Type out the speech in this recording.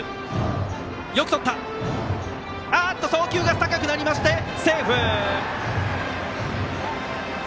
送球が高くなりまして、セーフ。